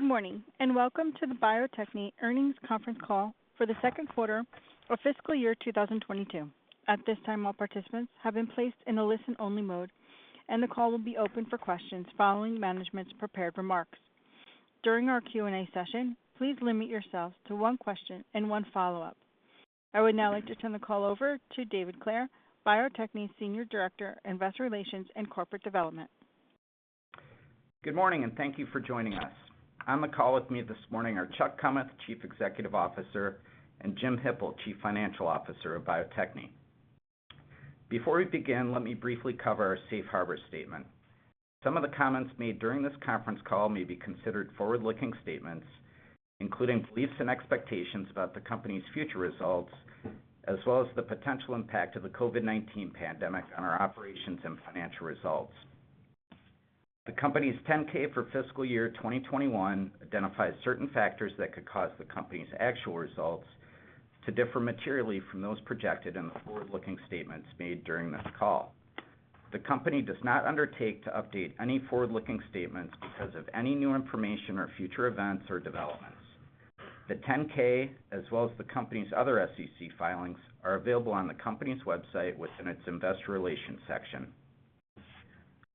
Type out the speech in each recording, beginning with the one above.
Good morning, and welcome to the Bio-Techne Earnings Conference Call for the second quarter of fiscal year 2022. At this time, all participants have been placed in a listen-only mode, and the call will be open for questions following management's prepared remarks. During our Q&A session, please limit yourselves to one question and one follow-up. I would now like to turn the call over to David Clair, Bio-Techne Senior Director, Investor Relations, and Corporate Development. Good morning, and thank you for joining us. On the call with me this morning are Chuck Kummeth, Chief Executive Officer, and Jim Hippel, Chief Financial Officer of Bio-Techne. Before we begin, let me briefly cover our safe harbor statement. Some of the comments made during this conference call may be considered forward-looking statements, including beliefs and expectations about the company's future results, as well as the potential impact of the COVID-19 pandemic on our operations and financial results. The company's 10-K for fiscal year 2021 identifies certain factors that could cause the company's actual results to differ materially from those projected in the forward-looking statements made during this call. The company does not undertake to update any forward-looking statements because of any new information or future events or developments. The 10-K, as well as the company's other SEC filings, are available on the company's website within its Investor Relations section.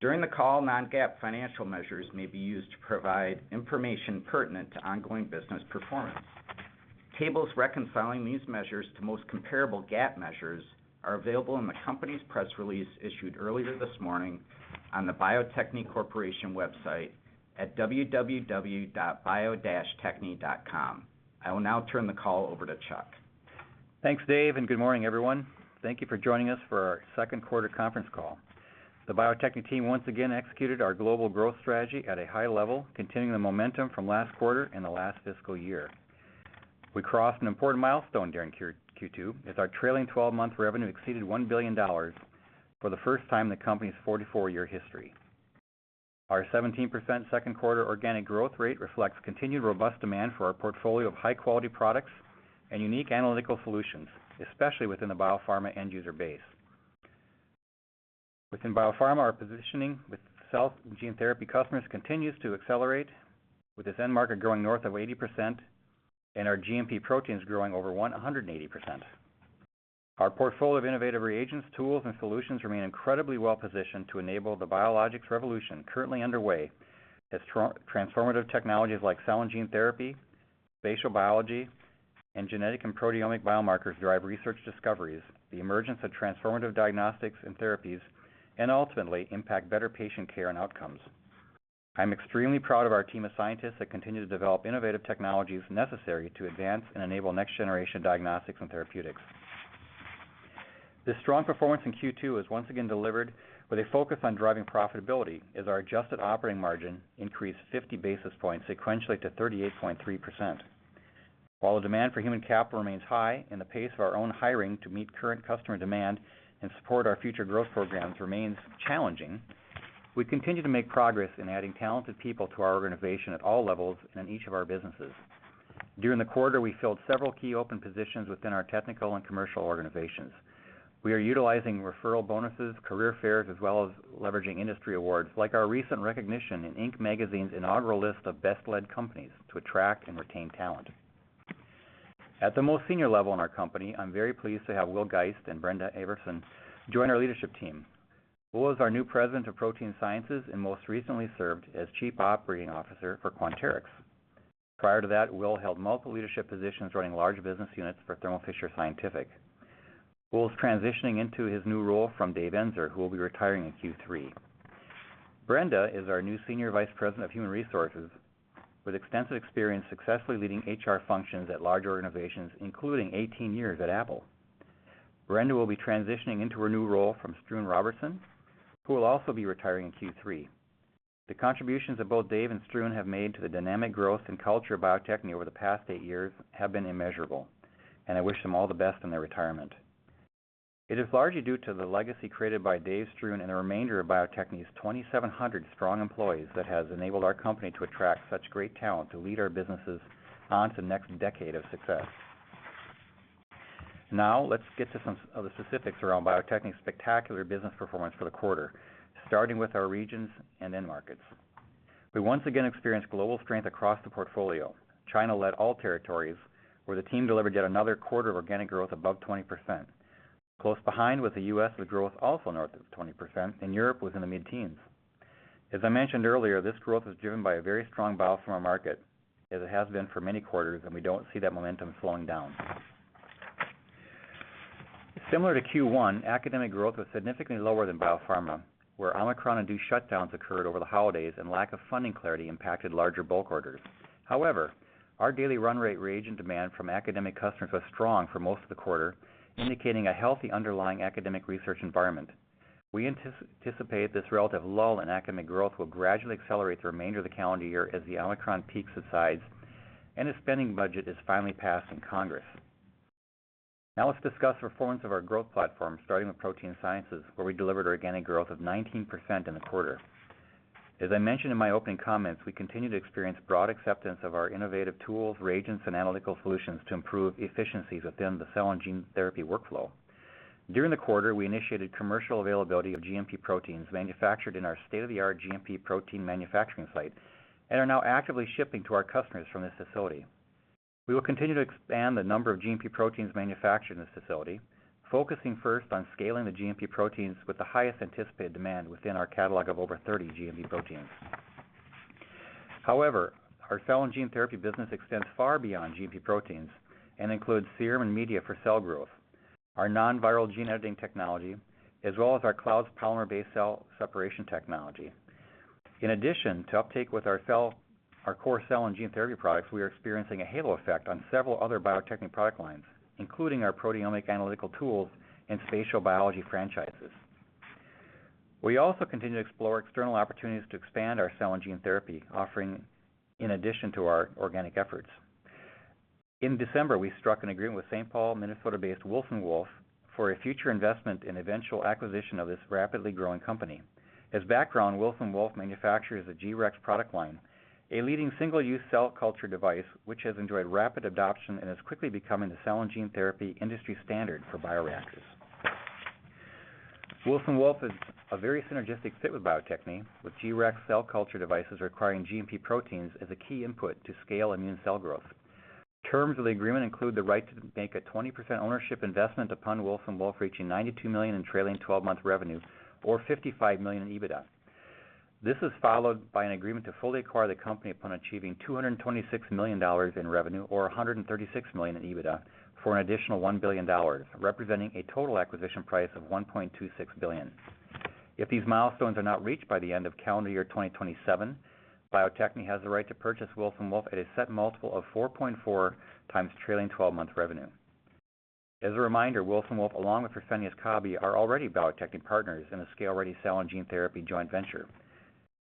During the call, non-GAAP financial measures may be used to provide information pertinent to ongoing business performance. Tables reconciling these measures to most comparable GAAP measures are available in the company's press release issued earlier this morning on the Bio-Techne Corporation website at www.bio-techne.com. I will now turn the call over to Chuck. Thanks, Dave, and good morning, everyone. Thank you for joining us for our second quarter conference call. The Bio-Techne team once again executed our global growth strategy at a high level, continuing the momentum from last quarter and the last fiscal year. We crossed an important milestone during Q2 as our trailing twelve-month revenue exceeded $1 billion for the first time in the company's 44-year history. Our 17% second quarter organic growth rate reflects continued robust demand for our portfolio of high-quality products and unique analytical solutions, especially within the biopharma end user base. Within biopharma, our positioning with cell and gene therapy customers continues to accelerate, with this end market growing north of 80% and our GMP proteins growing over 180%. Our portfolio of innovative reagents, tools, and solutions remain incredibly well-positioned to enable the biologics revolution currently underway as transformative technologies like cell and gene therapy, spatial biology, and genetic and proteomic biomarkers drive research discoveries, the emergence of transformative diagnostics and therapies, and ultimately impact better patient care and outcomes. I'm extremely proud of our team of scientists that continue to develop innovative technologies necessary to advance and enable next-generation diagnostics and therapeutics. This strong performance in Q2 is once again delivered with a focus on driving profitability as our adjusted operating margin increased 50 basis points sequentially to 38.3%. While the demand for human capital remains high and the pace of our own hiring to meet current customer demand and support our future growth programs remains challenging, we continue to make progress in adding talented people to our organization at all levels and in each of our businesses. During the quarter, we filled several key open positions within our technical and commercial organizations. We are utilizing referral bonuses, career fairs, as well as leveraging industry awards like our recent recognition in Inc. magazine's inaugural list of Best Led Companies to attract and retain talent. At the most senior level in our company, I'm very pleased to have Will Geist and Brenda Everson join our leadership team. Will is our new President of Protein Sciences and most recently served as Chief Operating Officer for Quanterix. Prior to that, Will held multiple leadership positions running large business units for Thermo Fisher Scientific. Will is transitioning into his new role from Dave Ensor, who will be retiring in Q3. Brenda is our new Senior Vice President of Human Resources with extensive experience successfully leading HR functions at large organizations, including 18 years at Apple. Brenda will be transitioning into her new role from Struan Robertson, who will also be retiring in Q3. The contributions that both Dave and Struan have made to the dynamic growth and culture of Bio-Techne over the past eight years have been immeasurable, and I wish them all the best in their retirement. It is largely due to the legacy created by Dave, Struan, and the remainder of Bio-Techne's 2,700 strong employees that has enabled our company to attract such great talent to lead our businesses on to the next decade of success. Now, let's get to some of the specifics around Bio-Techne's spectacular business performance for the quarter, starting with our regions and end markets. We once again experienced global strength across the portfolio. China led all territories, where the team delivered yet another quarter of organic growth above 20%. Close behind was the U.S., with growth also north of 20%, and Europe was in the mid-teens. As I mentioned earlier, this growth was driven by a very strong biopharma market, as it has been for many quarters, and we don't see that momentum slowing down. Similar to Q1, academic growth was significantly lower than biopharma, where Omicron-induced shutdowns occurred over the holidays and lack of funding clarity impacted larger bulk orders. However, our daily run rate reagent demand from academic customers was strong for most of the quarter, indicating a healthy underlying academic research environment. We anticipate this relative lull in academic growth will gradually accelerate the remainder of the calendar year as the Omicron peak subsides and a spending budget is finally passed in Congress. Now let's discuss performance of our growth platform, starting with Protein Sciences, where we delivered organic growth of 19% in the quarter. As I mentioned in my opening comments, we continue to experience broad acceptance of our innovative tools, reagents, and analytical solutions to improve efficiencies within the cell and gene therapy workflow. During the quarter, we initiated commercial availability of GMP proteins manufactured in our state-of-the-art GMP protein manufacturing site and are now actively shipping to our customers from this facility. We will continue to expand the number of GMP proteins manufactured in this facility, focusing first on scaling the GMP proteins with the highest anticipated demand within our catalog of over 30 GMP proteins. However, our cell and gene therapy business extends far beyond GMP proteins and includes serum and media for cell growth, our non-viral gene editing technology, as well as our Cloudz polymer-based cell separation technology. In addition to uptake with our core cell and gene therapy products, we are experiencing a halo effect on several other Bio-Techne product lines, including our proteomic analytical tools and spatial biology franchises. We also continue to explore external opportunities to expand our cell and gene therapy offering in addition to our organic efforts. In December, we struck an agreement with St. Paul, Minnesota-based Wilson Wolf for a future investment in eventual acquisition of this rapidly growing company. As background, Wilson Wolf manufactures a G-Rex product line, a leading single-use cell culture device, which has enjoyed rapid adoption and is quickly becoming the cell and gene therapy industry standard for bioreactors. Wilson Wolf is a very synergistic fit with Bio-Techne, with G-Rex cell culture devices requiring GMP proteins as a key input to scale immune cell growth. Terms of the agreement include the right to make a 20% ownership investment upon Wilson Wolf reaching $92 million in trailing twelve-month revenue or $55 million in EBITDA. This is followed by an agreement to fully acquire the company upon achieving $226 million in revenue or $136 million in EBITDA for an additional $1 billion, representing a total acquisition price of $1.26 billion. If these milestones are not reached by the end of calendar year 2027, Bio-Techne has the right to purchase Wilson Wolf at a set multiple of 4.4x trailing twelve-month revenue. As a reminder, Wilson Wolf, along with Fresenius Kabi, are already Bio-Techne partners in a ScaleReady cell and gene therapy joint venture.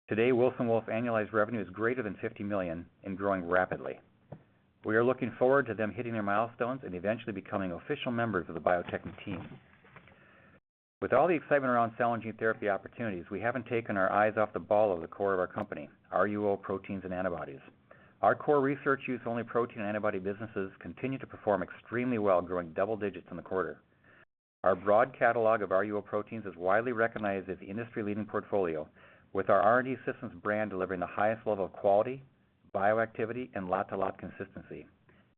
Today, Wilson Wolf annualized revenue is greater than $50 million and growing rapidly. We are looking forward to them hitting their milestones and eventually becoming official members of the Bio-Techne team. With all the excitement around cell and gene therapy opportunities, we haven't taken our eyes off the ball of the core of our company, RUO proteins and antibodies. Our core research-use-only protein and antibody businesses continue to perform extremely well, growing double digits in the quarter. Our broad catalog of RUO proteins is widely recognized as an industry-leading portfolio, with our R&D Systems brand delivering the highest level of quality, bioactivity, and lot-to-lot consistency.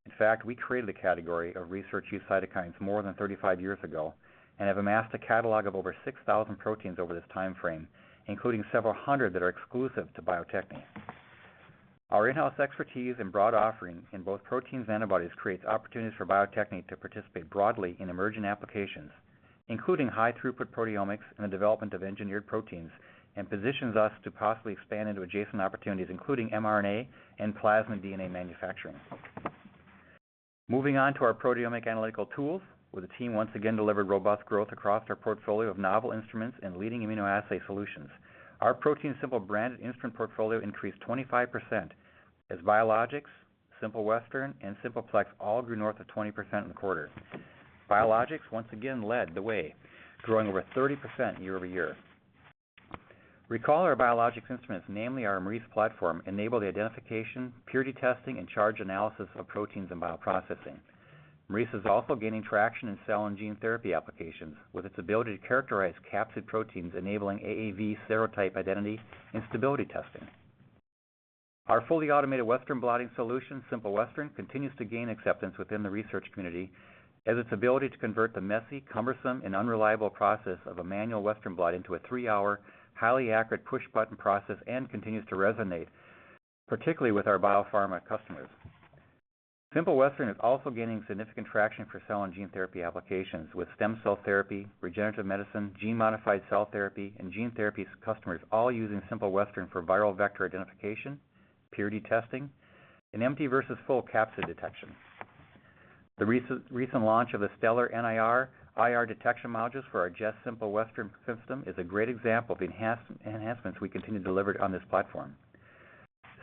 In fact, we created a category of research-use cytokines more than 35 years ago and have amassed a catalog of over 6,000 proteins over this time frame, including several hundred that are exclusive to Bio-Techne. Our in-house expertise and broad offering in both proteins and antibodies creates opportunities for Bio-Techne to participate broadly in emerging applications, including high-throughput proteomics and the development of engineered proteins, and positions us to possibly expand into adjacent opportunities, including mRNA and plasmid DNA manufacturing. Moving on to our proteomic analytical tools, where the team once again delivered robust growth across our portfolio of novel instruments and leading immunoassay solutions. Our ProteinSimple branded instrument portfolio increased 25% as Biologics, Simple Western and Simple Plex all grew north of 20% in the quarter. Biologics once again led the way, growing over 30% year-over-year. Recall our Biologics instruments, namely our Maurice platform, enable the identification, purity testing, and charge analysis of proteins and bioprocessing. Maurice is also gaining traction in cell and gene therapy applications, with its ability to characterize capsid proteins enabling AAV serotype identity and stability testing. Our fully automated Western blotting solution, Simple Western, continues to gain acceptance within the research community as its ability to convert the messy, cumbersome, and unreliable process of a manual Western blot into a three-hour, highly accurate push-button process and continues to resonate, particularly with our biopharma customers. Simple Western is also gaining significant traction for cell and gene therapy applications with stem cell therapy, regenerative medicine, gene-modified cell therapy, and gene therapies customers all using Simple Western for viral vector identification, purity testing, and empty versus full capsid detection. The recent launch of the Stellar NIR IR detection modules for our Jess Simple Western system is a great example of enhancements we continue to deliver on this platform.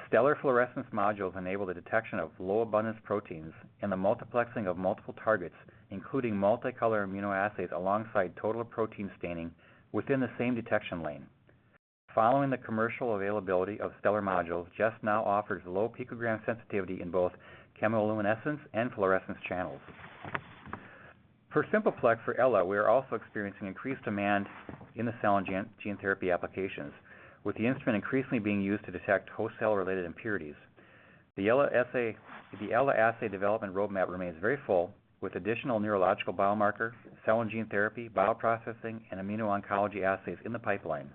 Stellar fluorescence modules enable the detection of low abundance proteins and the multiplexing of multiple targets, including multicolor immunoassays alongside total protein staining within the same detection lane. Following the commercial availability of Stellar modules, Jess now offers low picogram sensitivity in both chemiluminescence and fluorescence channels. For Simple Plex for Ella, we are also experiencing increased demand in the cell and gene therapy applications, with the instrument increasingly being used to detect host cell-related impurities. The Ella assay development roadmap remains very full, with additional neurological biomarker, cell and gene therapy, bioprocessing, and immuno-oncology assays in the pipeline.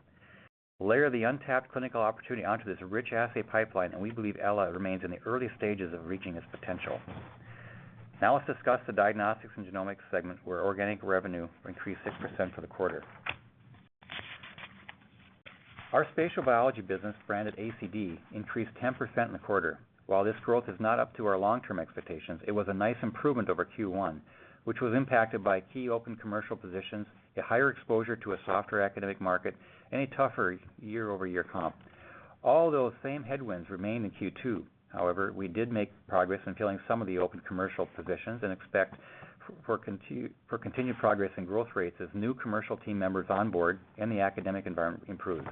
Layer the untapped clinical opportunity onto this rich assay pipeline, and we believe Ella remains in the early stages of reaching its potential. Now let's discuss the diagnostics and genomics segment, where organic revenue increased 6% for the quarter. Our spatial biology business, branded ACD, increased 10% in the quarter. While this growth is not up to our long-term expectations, it was a nice improvement over Q1, which was impacted by key open commercial positions, a higher exposure to a softer academic market, and a tougher year-over-year comp. All those same headwinds remain in Q2. However, we did make progress in filling some of the open commercial positions and expect for continued progress in growth rates as new commercial team members onboard and the academic environment improves.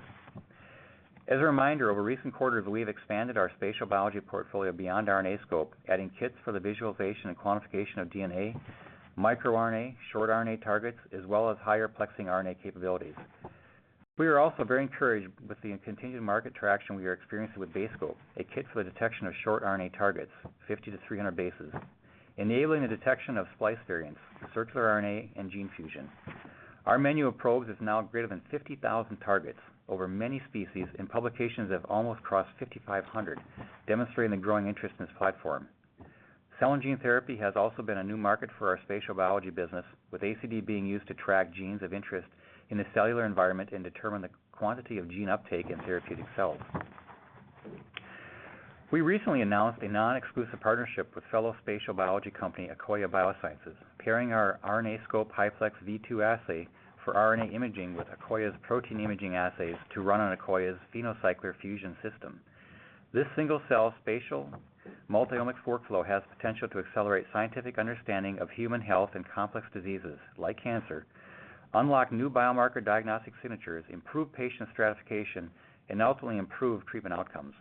As a reminder, over recent quarters, we have expanded our spatial biology portfolio beyond RNAscope, adding kits for the visualization and quantification of DNA, microRNA, short RNA targets, as well as higher plexing RNA capabilities. We are also very encouraged with the continued market traction we are experiencing with BaseScope, a kit for the detection of short RNA targets, 50 to 300 bases, enabling the detection of splice variants, circular RNA, and gene fusion. Our menu of probes is now greater than 50,000 targets over many species, and publications have almost crossed 5,500, demonstrating the growing interest in this platform. Cell and gene therapy has also been a new market for our spatial biology business, with ACD being used to track genes of interest in a cellular environment and determine the quantity of gene uptake in therapeutic cells. We recently announced a non-exclusive partnership with fellow spatial biology company, Akoya Biosciences, pairing our RNAscope HiPlex V2 assay for RNA imaging with Akoya's protein imaging assays to run on Akoya's PhenoCycler-Fusion system. This single-cell spatial multi-omics workflow has the potential to accelerate scientific understanding of human health and complex diseases like cancer, unlock new biomarker diagnostic signatures, improve patient stratification, and ultimately improve treatment outcomes.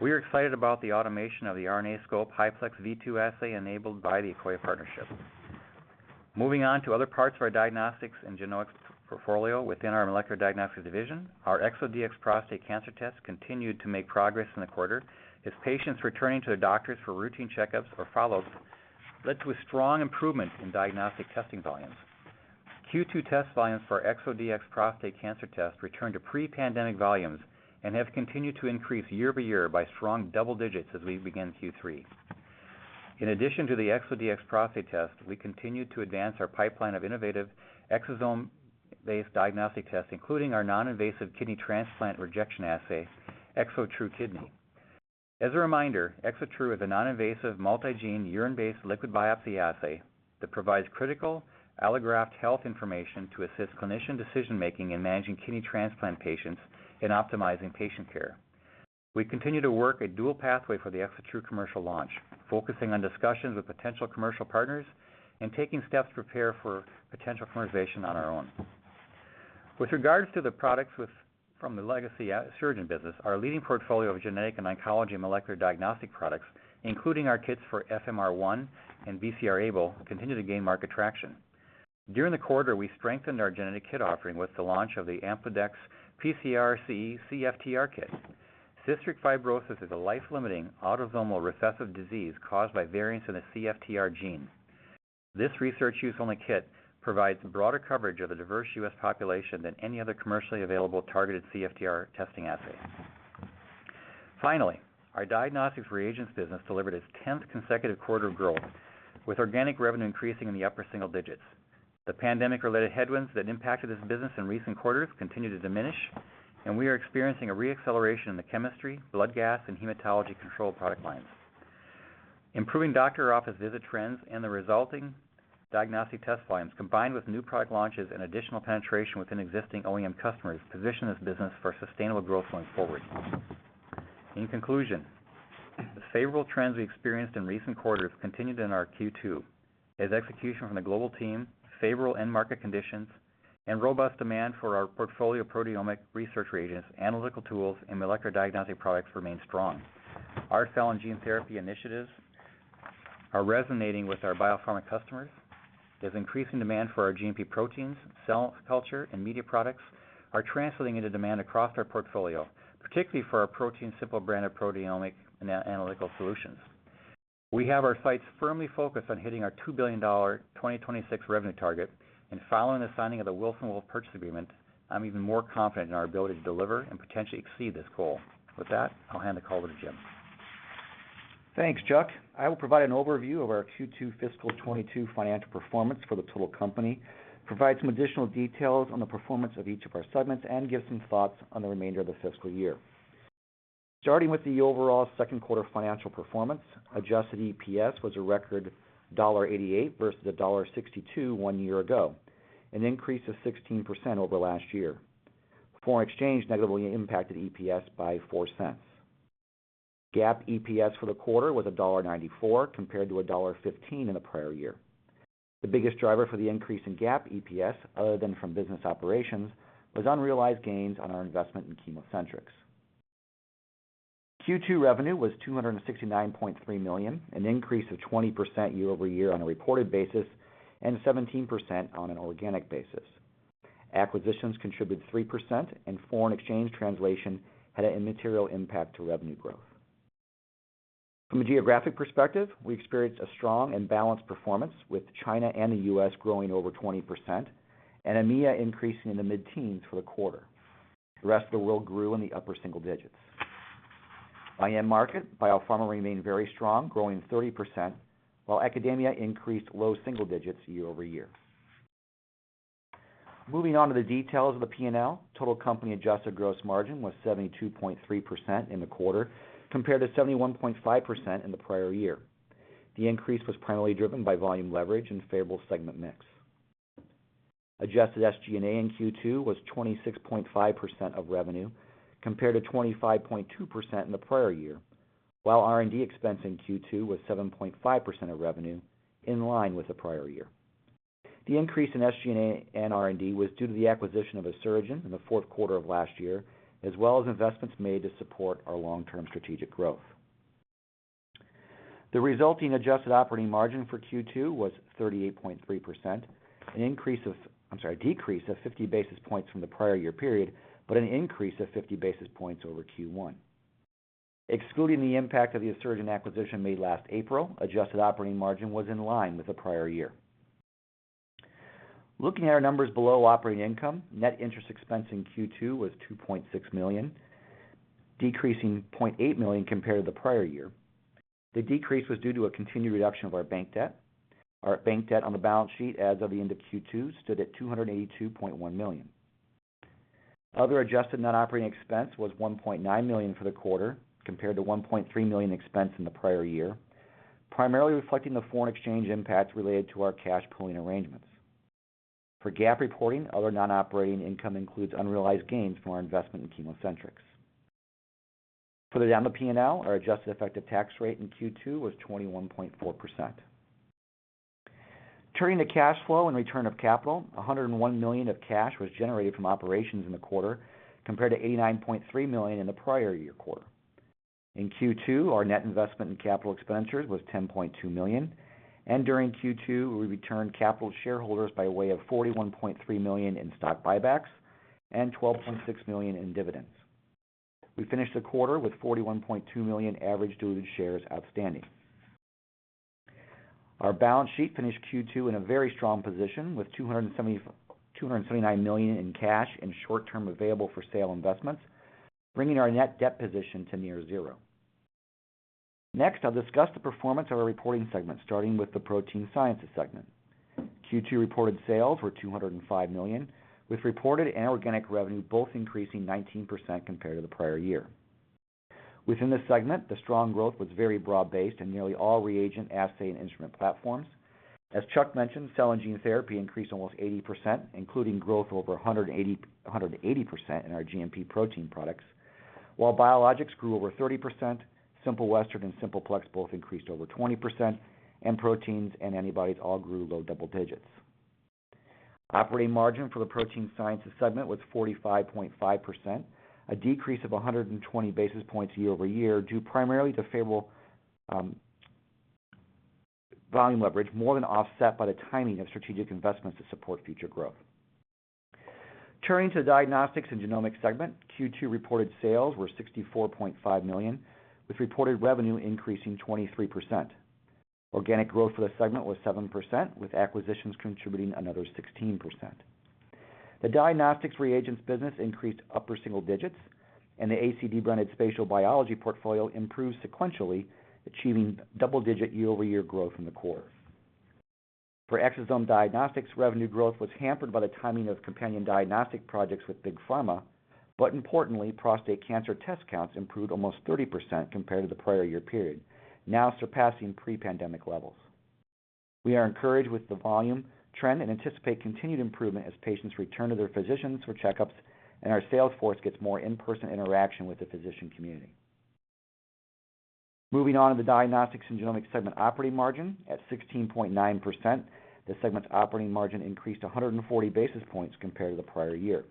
We are excited about the automation of the RNAscope HiPlex V2 assay enabled by the Akoya partnership. Moving on to other parts of our diagnostics and genomics portfolio within our molecular diagnostics division. Our ExoDx prostate cancer test continued to make progress in the quarter as patients returning to their doctors for routine checkups or follow-ups led to a strong improvement in diagnostic testing volumes. Q2 test volumes for our ExoDx prostate cancer test returned to pre-pandemic volumes and have continued to increase year-over-year by strong double digits as we begin Q3. In addition to the ExoDx prostate test, we continued to advance our pipeline of innovative exosome-based diagnostic tests, including our non-invasive kidney transplant rejection assay, ExoTRU Kidney. As a reminder, ExoTRU is a non-invasive, multi-gene, urine-based liquid biopsy assay that provides critical allograft health information to assist clinician decision-making in managing kidney transplant patients in optimizing patient care. We continue to pursue a dual pathway for the ExoTRU commercial launch, focusing on discussions with potential commercial partners and taking steps to prepare for potential commercialization on our own. With regards to the products from the legacy Asuragen business, our leading portfolio of genetic and oncology molecular diagnostic products, including our kits for FMR1 and BCR-ABL, continue to gain market traction. During the quarter, we strengthened our genetic kit offering with the launch of the AmplideX PCR/CE CFTR kit. Cystic fibrosis is a life-limiting autosomal recessive disease caused by variants in the CFTR gene. This research use-only kit provides broader coverage of the diverse U.S. population than any other commercially available targeted CFTR testing assay. Finally, our diagnostics reagents business delivered its tenth consecutive quarter of growth, with organic revenue increasing in the upper single digits. The pandemic-related headwinds that impacted this business in recent quarters continue to diminish, and we are experiencing a re-acceleration in the chemistry, blood gas, and hematology control product lines. Improving doctor office visit trends and the resulting diagnostic test volumes, combined with new product launches and additional penetration within existing OEM customers, position this business for sustainable growth going forward In conclusion, the favorable trends we experienced in recent quarters continued in our Q2 as execution from the global team, favorable end market conditions, and robust demand for our portfolio of proteomic research reagents, analytical tools, and molecular diagnostic products remain strong. Our cell and gene therapy initiatives are resonating with our biopharma customers, as increasing demand for our GMP proteins, cell culture, and media products are translating into demand across our portfolio, particularly for our ProteinSimple brand of proteomic analytical solutions. We have our sights firmly focused on hitting our $2 billion 2026 revenue target, and following the signing of the Wilson Wolf purchase agreement, I'm even more confident in our ability to deliver and potentially exceed this goal. With that, I'll hand the call over to Jim. Thanks, Chuck. I will provide an overview of our Q2 fiscal 2022 financial performance for the total company, provide some additional details on the performance of each of our segments, and give some thoughts on the remainder of the fiscal year. Starting with the overall second quarter financial performance, adjusted EPS was a record $0.88 versus a $0.62 one year ago, an increase of 16% over last year. Foreign exchange negatively impacted EPS by $0.04. GAAP EPS for the quarter was a $1.94 compared to a $1.15 in the prior year. The biggest driver for the increase in GAAP EPS, other than from business operations, was unrealized gains on our investment in ChemoCentryx. Q2 revenue was $200.69 million, an increase of 20% year-over-year on a reported basis, and 17% on an organic basis. Acquisitions contributed 3%, and foreign exchange translation had an immaterial impact to revenue growth. From a geographic perspective, we experienced a strong and balanced performance with China and the U.S. growing over 20% and EMEA increasing in the mid-teens for the quarter. The rest of the world grew in the upper single digits. By end market, biopharma remained very strong, growing 30%, while academia increased low single digits year over year. Moving on to the details of the P&L, total company adjusted gross margin was 72.3% in the quarter compared to 71.5% in the prior year. The increase was primarily driven by volume leverage and favorable segment mix. Adjusted SG&A in Q2 was 26.5% of revenue compared to 25.2% in the prior year, while R&D expense in Q2 was 7.5% of revenue, in line with the prior year. The increase in SG&A and R&D was due to the acquisition of Asuragen in the fourth quarter of last year, as well as investments made to support our long-term strategic growth. The resulting adjusted operating margin for Q2 was 38.3%, a decrease of 50 basis points from the prior year period, but an increase of 50 basis points over Q1. Excluding the impact of the Asuragen acquisition made last April, adjusted operating margin was in line with the prior year. Looking at our numbers below operating income, net interest expense in Q2 was $2.6 million, decreasing $0.8 million compared to the prior year. The decrease was due to a continued reduction of our bank debt. Our bank debt on the balance sheet as of the end of Q2 stood at $282.1 million. Other adjusted net operating expense was $1.9 million for the quarter compared to $1.3 million expense in the prior year, primarily reflecting the foreign exchange impacts related to our cash pooling arrangements. For GAAP reporting, other non-operating income includes unrealized gains from our investment in ChemoCentryx. For the non-GAAP P&L, our adjusted effective tax rate in Q2 was 21.4%. Turning to cash flow and return of capital, $101 million of cash was generated from operations in the quarter compared to $89.3 million in the prior year quarter. In Q2, our net investment in capital expenditures was $10.2 million, and during Q2, we returned capital to shareholders by way of $41.3 million in stock buybacks and $12.6 million in dividends. We finished the quarter with 41.2 million average diluted shares outstanding. Our balance sheet finished Q2 in a very strong position with $279 million in cash and short-term available for sale investments, bringing our net debt position to near zero. Next, I'll discuss the performance of our reporting segment, starting with the Protein Sciences segment. Q2 reported sales were $205 million, with reported and organic revenue both increasing 19% compared to the prior year. Within this segment, the strong growth was very broad-based in nearly all reagent, assay, and instrument platforms. As Chuck mentioned, cell and gene therapy increased almost 80%, including growth over 180% in our GMP protein products. While Biologics grew over 30%, Simple Western and Simple Plex both increased over 20%, and proteins and antibodies all grew low double digits. Operating margin for the Protein Sciences Segment was 45.5%, a decrease of 120 basis points year over year, due primarily to favorable volume leverage, more than offset by the timing of strategic investments to support future growth. Turning to the Diagnostics and Genomics segment, Q2 reported sales were $64.5 million, with reported revenue increasing 23%. Organic growth for the segment was 7%, with acquisitions contributing another 16%. The diagnostics reagents business increased upper single digits, and the ACD branded spatial biology portfolio improved sequentially, achieving double-digit year-over-year growth in the quarter. For Exosome Diagnostics, revenue growth was hampered by the timing of companion diagnostic projects with Big Pharma, but importantly, prostate cancer test counts improved almost 30% compared to the prior year period, now surpassing pre-pandemic levels. We are encouraged with the volume trend and anticipate continued improvement as patients return to their physicians for checkups and our sales force gets more in-person interaction with the physician community. Moving on to the Diagnostics and Genomics segment operating margin. At 16.9%, the segment's operating margin increased 140 basis points compared to the prior year.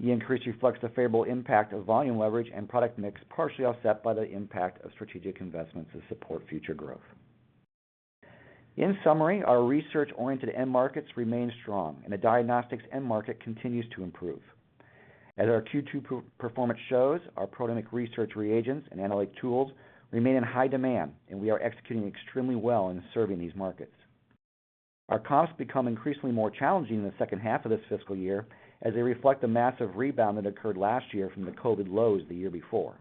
The increase reflects the favorable impact of volume leverage and product mix, partially offset by the impact of strategic investments to support future growth. In summary, our research-oriented end markets remain strong, and the diagnostics end market continues to improve. As our Q2 performance shows, our proteomic research reagents and analytic tools remain in high demand, and we are executing extremely well in serving these markets. Our comps become increasingly more challenging in the second half of this fiscal year as they reflect the massive rebound that occurred last year from the COVID lows the year before.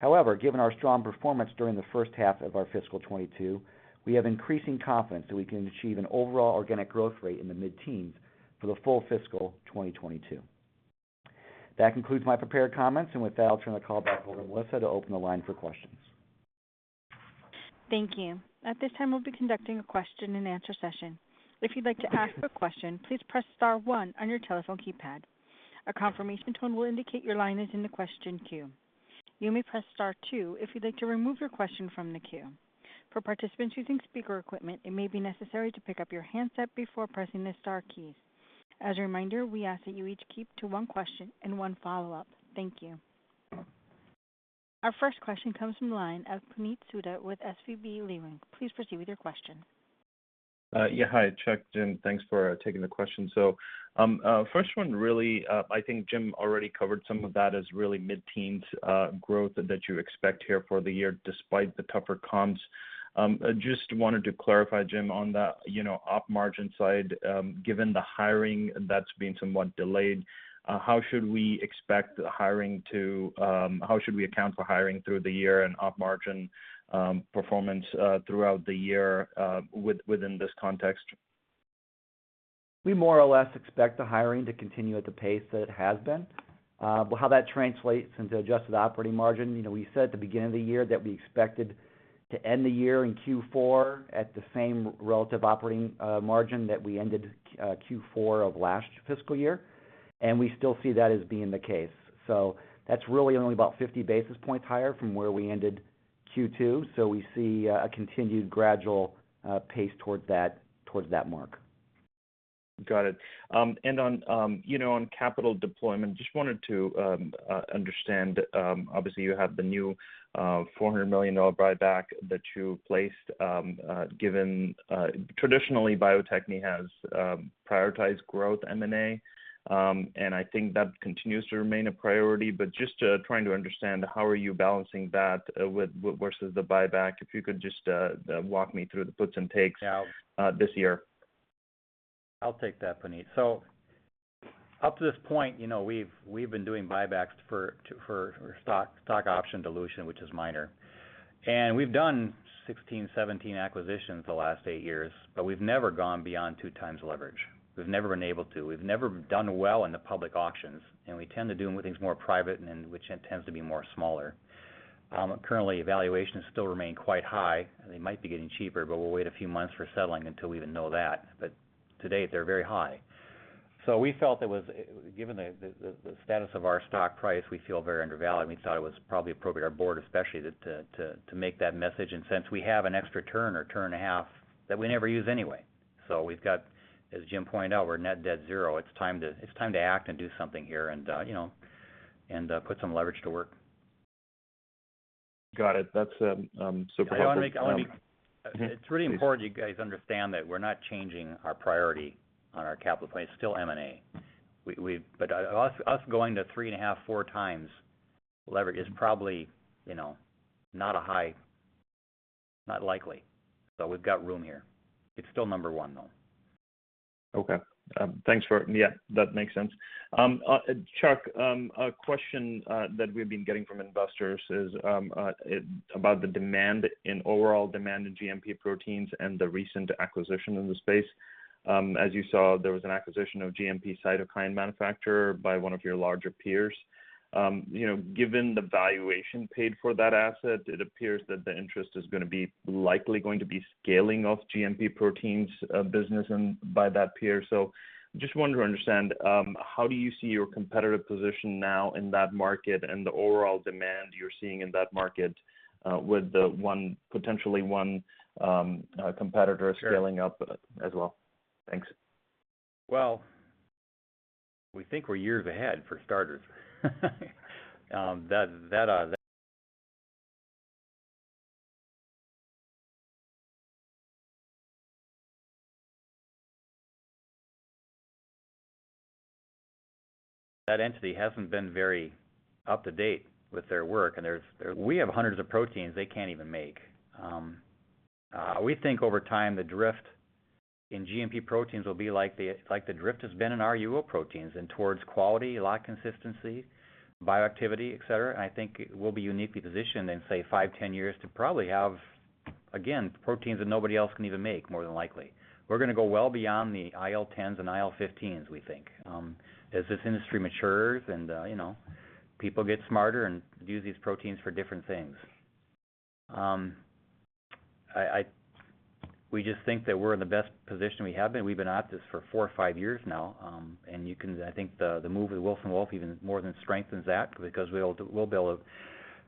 However, given our strong performance during the first half of our fiscal 2022, we have increasing confidence that we can achieve an overall organic growth rate in the mid-teens% for the full fiscal 2022. That concludes my prepared comments, and with that, I'll turn the call back over to Melissa to open the line for questions. Thank you. At this time, we'll be conducting a question and answer session. If you'd like to ask a question, please press star one on your telephone keypad. A confirmation tone will indicate your line is in the question queue. You may press star two if you'd like to remove your question from the queue. For participants using speaker equipment, it may be necessary to pick up your handset before pressing the star keys. As a reminder, we ask that you each keep to one question and one follow-up. Thank you. Our first question comes from the line of Puneet Souda with SVB Leerink. Please proceed with your question. Yeah. Hi, Chuck, Jim, thanks for taking the question. First one, really, I think Jim already covered some of that as really mid-teens growth that you expect here for the year despite the tougher comps. I just wanted to clarify, Jim, on that, you know, op margin side, given the hiring that's been somewhat delayed, how should we account for hiring through the year and op margin performance throughout the year within this context? We more or less expect the hiring to continue at the pace that it has been. How that translates into adjusted operating margin, you know, we said at the beginning of the year that we expected to end the year in Q4 at the same relative operating margin that we ended Q4 of last fiscal year. We still see that as being the case. That's really only about 50 basis points higher from where we ended Q2. We see a continued gradual pace towards that mark. Got it. On, you know, on capital deployment, just wanted to understand, obviously, you have the new $400 million buyback that you placed, given, traditionally, Bio-Techne has prioritized growth M&A, and I think that continues to remain a priority, but just, trying to understand how are you balancing that with versus the buyback, if you could just, walk me through the puts and takes. Yeah, this year. I'll take that, Puneet. Up to this point, you know, we've been doing buybacks for stock option dilution, which is minor. We've done 16, 17 acquisitions the last eight years, but we've never gone beyond 2x leverage. We've never been able to. We've never done well in the public auctions, and we tend to do them with things more private and which it tends to be much smaller. Currently, valuations still remain quite high, and they might be getting cheaper, but we'll wait a few months for things to settle until we even know that. To date, they're very high. We felt it was, given the status of our stock price, we feel very undervalued, and we thought it was probably appropriate, our board especially, to make that message. Since we have an extra turn or turn and a half that we never use anyway. We've got, as Jim pointed out, we're net debt zero. It's time to act and do something here and, you know, put some leverage to work. Got it. That's super helpful. I wanna make Um- It's really important you guys understand that we're not changing our priority on our capital plan. It's still M&A. Us going to 3.5-4 times leverage is probably, you know, not highly likely. We've got room here. It's still number one, though. Okay. Yeah, that makes sense. Chuck, a question that we've been getting from investors is about the overall demand in GMP proteins and the recent acquisition in the space. As you saw, there was an acquisition of GMP cytokine manufacturer by one of your larger peers. You know, given the valuation paid for that asset, it appears that the interest is gonna be likely going to be scaling of GMP proteins business and by that peer. Just wanted to understand how do you see your competitive position now in that market and the overall demand you're seeing in that market with potentially one competitor-scaling up as well? Thanks. Well, we think we're years ahead, for starters. That entity hasn't been very up to date with their work, and we have hundreds of proteins they can't even make. We think over time, the drift in GMP proteins will be like the drift has been in our RUO proteins and towards quality, lot consistency, bioactivity, et cetera. I think we'll be uniquely positioned in, say, five, ten years to probably have, again, proteins that nobody else can even make, more than likely. We're gonna go well beyond the IL-10 and IL-15, we think, as this industry matures and, you know, people get smarter and use these proteins for different things. We just think that we're in the best position we have been. We've been at this for four or five years now. I think the move with Wilson Wolf even more than strengthens that because we'll be able to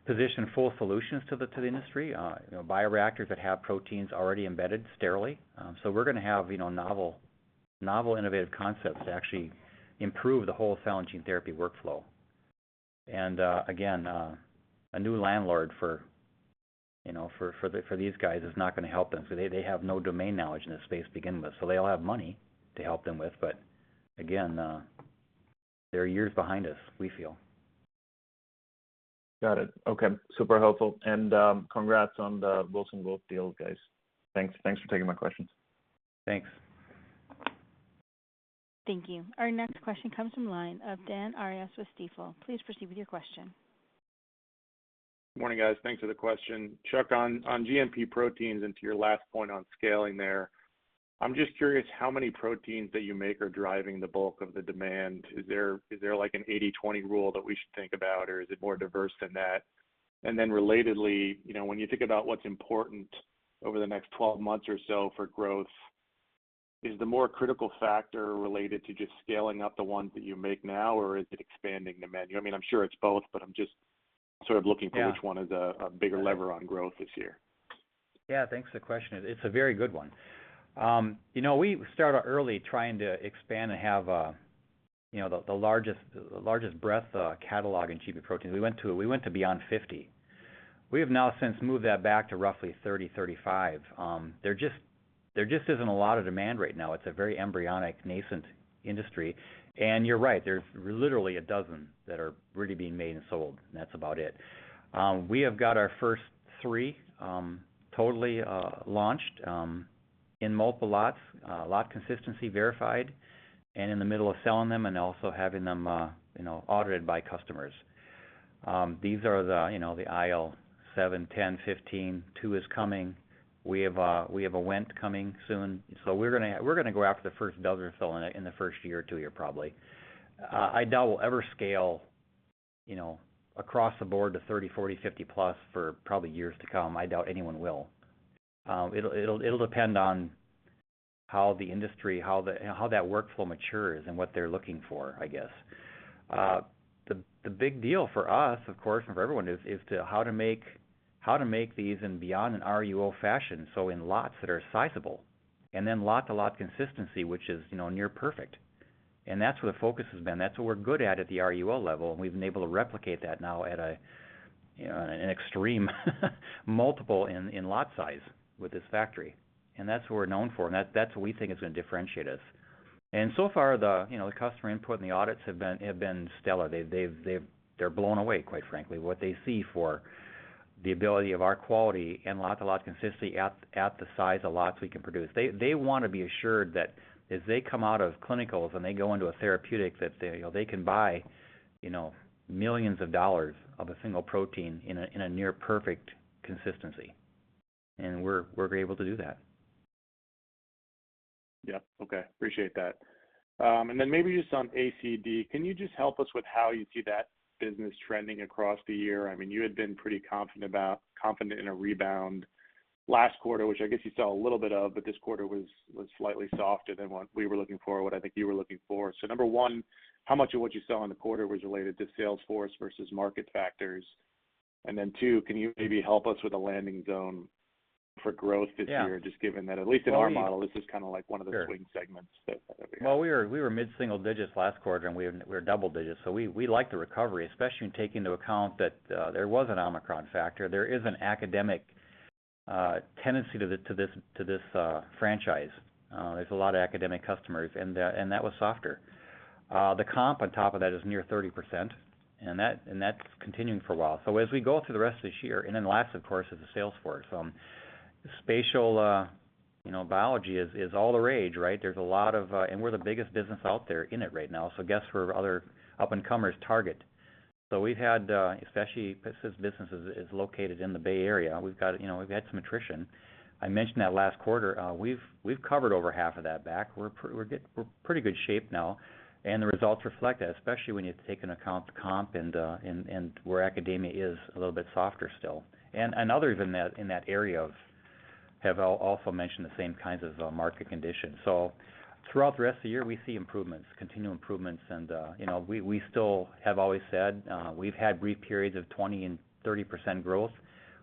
position full solutions to the industry, bioreactors that have proteins already embedded sterilely. We're gonna have novel innovative concepts to actually improve the whole cell and gene therapy workflow. A new landlord for these guys is not gonna help them. They have no domain knowledge in this space to begin with. They all have money to help them with, but they're years behind us, we feel. Got it. Okay. Super helpful. Congrats on the Wilson Wolf deal, guys. Thanks for taking my questions. Thanks. Thank you. Our next question comes from line of Dan Arias with Stifel. Please proceed with your question. Morning, guys. Thanks for the question. Chuck, on GMP proteins and to your last point on scaling there, I'm just curious how many proteins that you make are driving the bulk of the demand. Is there like an 80-20 rule that we should think about, or is it more diverse than that? relatedly, you know, when you think about what's important over the next 12 months or so for growth, is the more critical factor related to just scaling up the ones that you make now, or is it expanding the menu? I mean, I'm sure it's both, but I'm just sort of looking for- Yeah. Which one is a bigger lever on growth this year? Yeah. Thanks for the question. It's a very good one. You know, we started out early trying to expand and have, you know, the largest breadth, catalog in GMP proteins. We went to beyond 50. We have now since moved that back to roughly 30, 35. There just isn't a lot of demand right now. It's a very embryonic, nascent industry. You're right, there's literally a 12 that are really being made and sold, and that's about it. We have got our first three totally launched in multiple lots, lot consistency verified, and in the middle of selling them and also having them, you know, audited by customers. These are the, you know, the IL-7, 10, 15. 2 is coming. We have a WENT coming soon. We're gonna go after the first 12 or so in the first year or two year, probably. I doubt we'll ever scale, you know, across the board to 30, 40, 50+ for probably years to come. I doubt anyone will. It'll depend on how the industry, how that workflow matures and what they're looking for, I guess. The big deal for us, of course, and for everyone is how to make these beyond an RUO fashion, so in lots that are sizable. Then lot to lot consistency, which is, you know, near perfect. That's where the focus has been. That's what we're good at at the RUO level, and we've been able to replicate that now at a, you know, an extreme multiple in lot size with this factory. That's what we're known for, and that's what we think is gonna differentiate us. So far, you know, the customer input and the audits have been Stellar. They're blown away, quite frankly, what they see for the ability of our quality and lot to lot consistency at the size of lots we can produce. They wanna be assured that as they come out of clinicals and they go into a therapeutic, that they, you know, they can buy, you know, millions of dollars of a single protein in a near perfect consistency. We're able to do that. Yeah. Okay. Appreciate that. Then maybe just on ACD, can you just help us with how you see that business trending across the year? I mean, you had been pretty confident in a rebound last quarter, which I guess you saw a little bit of, but this quarter was slightly softer than what we were looking for, what I think you were looking for. Number one, how much of what you saw in the quarter was related to sales force versus market factors? Then two, can you maybe help us with a landing zone for growth this year? Yeah. Just given that at least in our model, this is kinda like one of the swing segments that We were mid-single digits last quarter, and we're double digits, so we like the recovery, especially when you take into account that there was an Omicron factor. There is an academic tendency to this franchise. There's a lot of academic customers and that was softer. The comp on top of that is near 30%, and that's continuing for a while. As we go through the rest of this year, and then last, of course, is the sales force. Spatial biology, you know, is all the rage, right? We're the biggest business out there in it right now, so I guess we're the other up-and-comers' target. We've had, especially since business is located in the Bay Area, we've got, you know, some attrition. I mentioned that last quarter. We've covered over half of that back. We're in pretty good shape now, and the results reflect that, especially when you have to take into account the comp and where academia is a little bit softer still. Others in that area have also mentioned the same kinds of market conditions. Throughout the rest of the year, we see improvements, continued improvements. You know, we still have always said, we've had brief periods of 20% and 30% growth.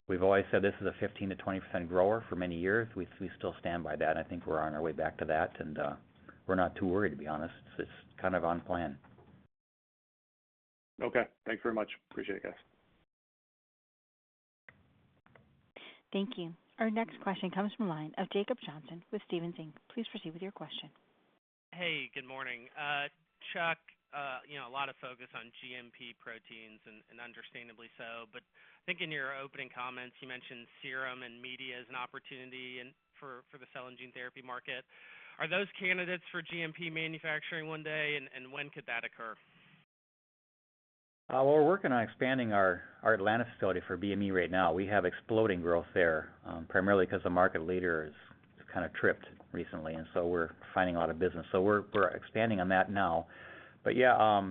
We've always said this is a 15%-20% grower for many years. We still stand by that. I think we're on our way back to that and, we're not too worried to be honest. It's kind of on plan. Okay. Thank you very much. Appreciate it guys. Thank you. Our next question comes from the line of Jacob Johnson with Stephens Inc. Please proceed with your question. Hey, good morning. Chuck, you know, a lot of focus on GMP proteins and understandably so. I think in your opening comments you mentioned serum and media as an opportunity and for the cell and gene therapy market. Are those candidates for GMP manufacturing one day? When could that occur? We're working on expanding our Atlanta facility for BME right now. We have exploding growth there, primarily 'cause the market leader has kinda tripped recently, and so we're finding a lot of business. We're expanding on that now. Yeah,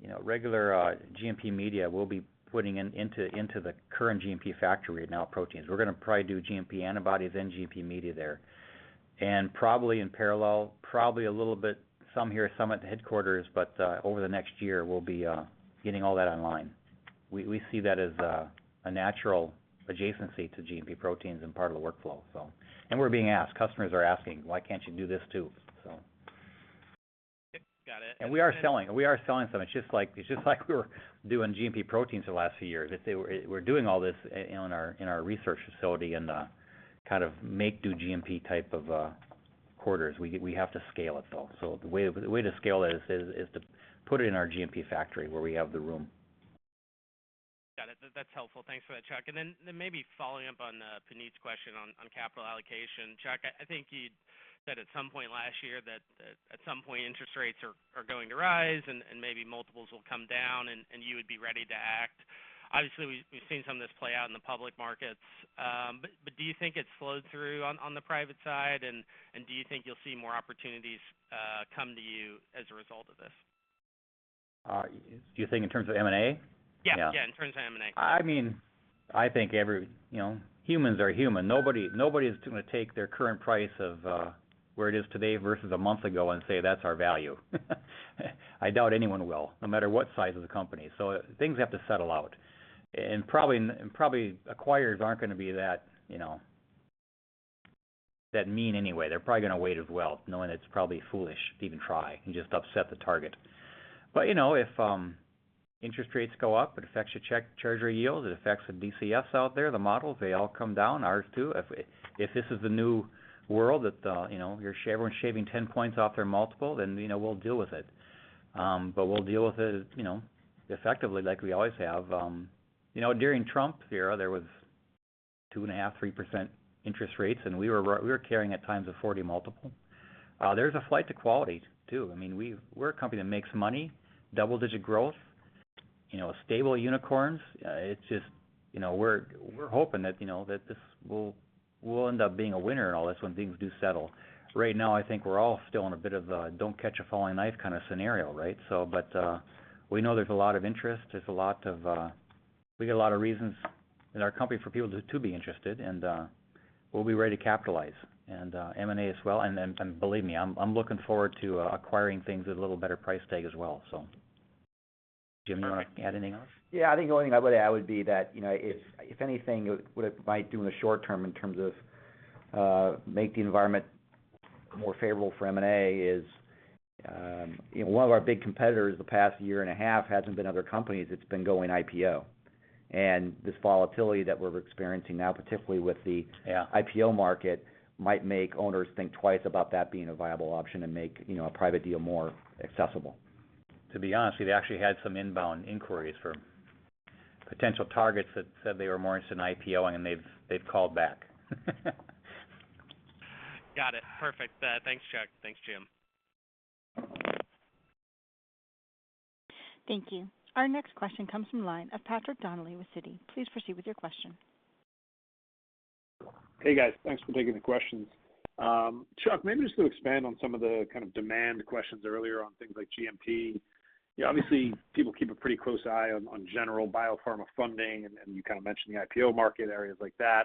you know, regular GMP media we'll be putting into the current GMP factory now proteins. We're gonna probably do GMP antibodies and GMP media there. Probably in parallel, a little bit, some here, some at the headquarters, but over the next year we'll be getting all that online. We see that as a natural adjacency to GMP proteins and part of the workflow. We're being asked, customers are asking, "Why can't you do this too? Got it. We are selling some. It's just like we were doing GMP proteins the last few years. We're doing all this in our research facility in the kind of make do GMP type of quarters. We have to scale it though. The way to scale it is to put it in our GMP factory where we have the room. Got it. That's helpful. Thanks for that, Chuck. Then maybe following up on Puneet's question on capital allocation. Chuck, I think you'd said at some point last year that at some point interest rates are going to rise and maybe multiples will come down and you would be ready to act. Obviously, we've seen some of this play out in the public markets. But do you think it's slowed through on the private side? Do you think you'll see more opportunities come to you as a result of this? Do you think in terms of M&A? Yeah. Yeah. Yeah, in terms of M&A. I mean, I think every, you know, humans are human. Nobody's gonna take their current price of where it is today versus a month ago and say, "That's our value." I doubt anyone will, no matter what size of the company. Things have to settle out, and probably acquirers aren't gonna be that, you know, that mean anyway. They're probably gonna wait as well, knowing it's probably foolish to even try and just upset the target. You know, if interest rates go up, it affects your treasury yields, it affects the DCFs out there, the models, they all come down, ours too. If this is the new world that, you know, you're everyone's shaving 10 points off their multiple, then, you know, we'll deal with it. We'll deal with it, you know, effectively like we always have. You know, during Trump's era there was 2.5% to 3% interest rates and we were carrying at times a 40x multiple. There's a flight to quality too. I mean, we're a company that makes money, double-digit growth, you know, stable unicorns. It's just, you know, we're hoping that, you know, that this will end up being a winner in all this when things do settle. Right now I think we're all still in a bit of a, don't catch a falling knife kinda scenario, right? We know there's a lot of interest. We get a lot of reasons in our company for people to be interested, and we'll be ready to capitalize, and M&A as well. Believe me, I'm looking forward to acquiring things at a little better price tag as well. Jim, you want to add anything else? Yeah. I think the only thing I would add would be that, you know, if anything it might do in the short term in terms of make the environment more favorable for M&A is, you know, one of our big competitors the past year and a half hasn't been other companies, it's been going IPO. This volatility that we're experiencing now, particularly with the- Yeah IPO market, might make owners think twice about that being a viable option and make, you know, a private deal more accessible. To be honest, we've actually had some inbound inquiries from potential targets that said they were more interested in IPO-ing, and they've called back. Got it. Perfect. Thanks Chuck. Thanks Jim. Thank you. Our next question comes from the line of Patrick Donnelly with Citi. Please proceed with your question. Hey guys. Thanks for taking the questions. Chuck, maybe just to expand on some of the kind of demand questions earlier on things like GMP. You know, obviously people keep a pretty close eye on general biopharma funding and you kind of mentioned the IPO market, areas like that.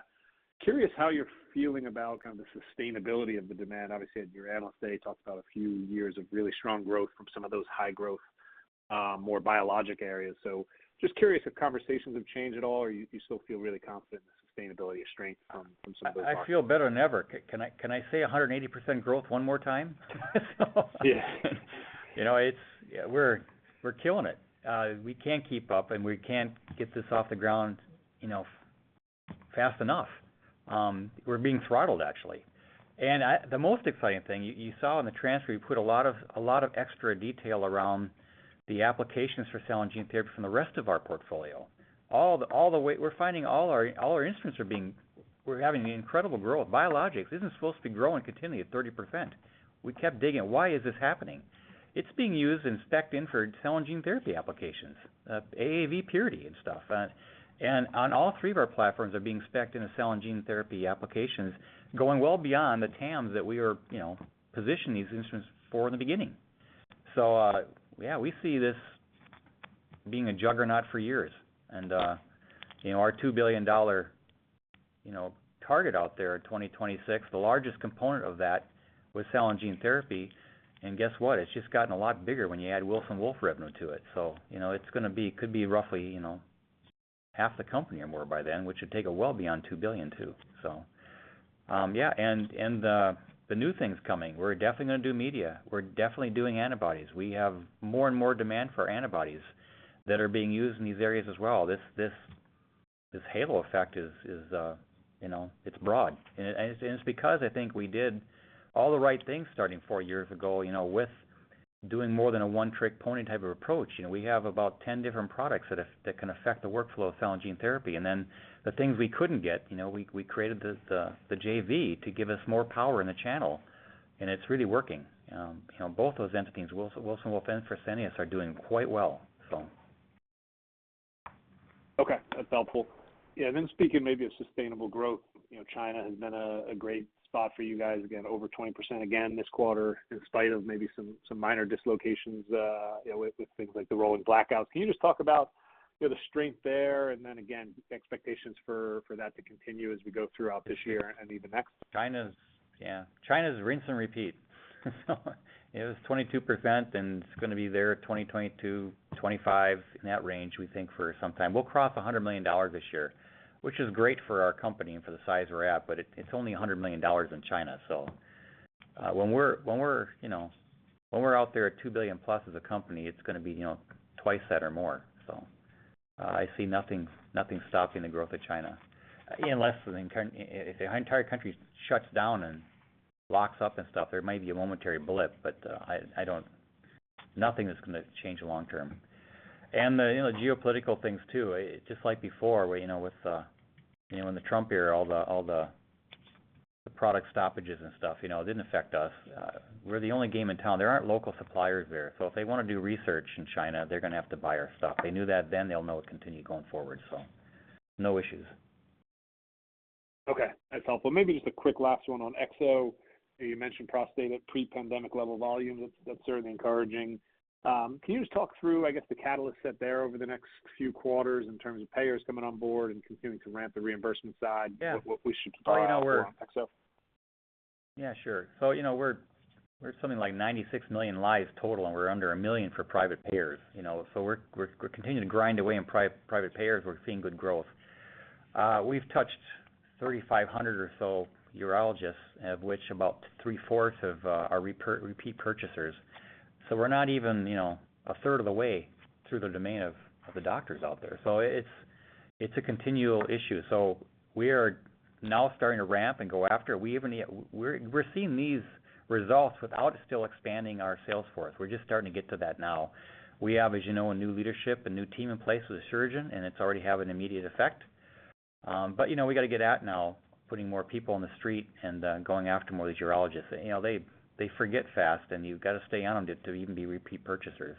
Curious how you're feeling about kind of the sustainability of the demand. Obviously at your analyst day, you talked about a few years of really strong growth from some of those high growth, more biologic areas. Just curious if conversations have changed at all or you still feel really confident in the sustainability and strength from some of those markets I feel better than ever. Can I say 180% growth one more time? Yeah. You know, we're killing it. We can't keep up, and we can't get this off the ground, you know, fast enough. We're being throttled actually. The most exciting thing you saw in the transcript. We put a lot of extra detail around the applications for cell and gene therapy from the rest of our portfolio all the way. We're finding all our instruments are being used. We're having an incredible growth. Biologics isn't supposed to be growing continually at 30%. We kept digging. Why is this happening? It's being used and spec'd in for cell and gene therapy applications, AAV purity and stuff. On all three of our platforms are being spec'd into cell and gene therapy applications, going well beyond the TAMS that we were, you know, positioning these instruments for in the beginning. Yeah, we see this being a juggernaut for years. You know, our $2 billion, you know, target out there at 2026, the largest component of that was cell and gene therapy. Guess what? It's just gotten a lot bigger when you add Wilson Wolf revenue to it. You know, it's gonna be could be roughly, you know, half the company or more by then, which would take it well beyond $2 billion, too. Yeah, and the new things coming, we're definitely gonna do media. We're definitely doing antibodies. We have more and more demand for antibodies that are being used in these areas as well. This halo effect is, you know, it's broad. It's because I think we did all the right things starting four years ago, you know, with doing more than a one-trick pony type of approach. You know, we have about 10 different products that can affect the workflow of cell and gene therapy. Then the things we couldn't get, you know, we created this JV to give us more power in the channel, and it's really working. You know, both those entities, Wilson Wolf and Fresenius are doing quite well. Okay, that's helpful. Yeah, speaking maybe of sustainable growth, you know, China has been a great spot for you guys. Again, over 20% again this quarter in spite of maybe some minor dislocations, you know, with things like the rolling blackouts. Can you just talk about, you know, the strength there and then again, expectations for that to continue as we go throughout this year and even next one? China's. Yeah, China's rinse and repeat. It was 22%, and it's gonna be there 2020-2025, in that range, we think for some time. We'll cross $100 million this year, which is great for our company and for the size we're at, but it's only $100 million in China. When we're, you know, when we're out there at $2 billion+ as a company, it's gonna be, you know, twice that or more. I see nothing stopping the growth of China. Unless if the entire country shuts down and locks up and stuff, there might be a momentary blip, but nothing is gonna change long term. You know, geopolitical things too, it's just like before where, you know, with, you know, in the Trump era, all the product stoppages and stuff, you know, it didn't affect us. We're the only game in town. There aren't local suppliers there. So if they wanna do research in China, they're gonna have to buy our stuff. They knew that then. They'll know it continue going forward. So no issues. Okay, that's helpful. Maybe just a quick last one on Exo. You mentioned prostate at pre-pandemic level volume. That's certainly encouraging. Can you just talk through, I guess, the catalyst set there over the next few quarters in terms of payers coming on board and continuing to ramp the reimbursement side? Yeah What we should keep an eye out for on Exo? Yeah, sure. You know, we're something like 96 million lives total, and we're under a million for private payers, you know. We're continuing to grind away in private payers. We're seeing good growth. We've touched 3,500 or so urologists, of which about three-fourths are repeat purchasers. We're not even, you know, a third of the way through the domain of the doctors out there. It's a continual issue. We are now starting to ramp and go after. We haven't yet. We're seeing these results without still expanding our sales force. We're just starting to get to that now. We have, as you know, a new leadership, a new team in place with a surgeon, and it's already having an immediate effect. You know, we got to get after it now putting more people on the street and going after more of these urologists. You know, they forget fast, and you've got to stay on them to even be repeat purchasers.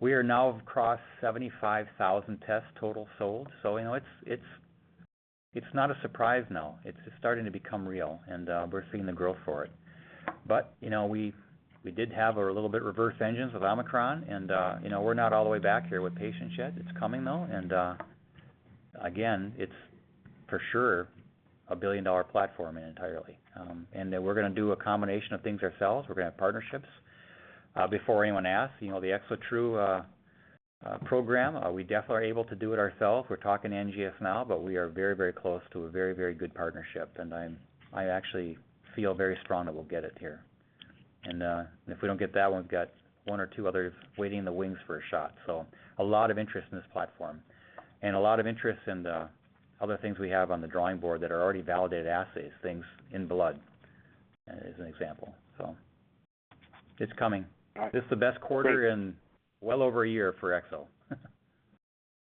We are now across 75,000 tests total sold. You know, it's not a surprise now. It's starting to become real, and we're seeing the growth for it. You know, we did have a little bit of a reversal with Omicron, and you know, we're not all the way back here with patients yet. It's coming though, and again, it's for sure a billion-dollar platform entirely. And then we're gonna do a combination of things ourselves. We're gonna have partnerships. Before anyone asks, you know, the ExoTRU program, we definitely are able to do it ourselves. We're talking NGS now, but we are very, very close to a very, very good partnership. I actually feel very strong that we'll get it here. If we don't get that one, we've got one or two others waiting in the wings for a shot. A lot of interest in this platform and a lot of interest in the other things we have on the drawing board that are already validated assays, things in blood, as an example. It's coming. This is the best quarter in well over a year for Exo.